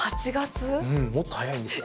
もっと早いんですよ。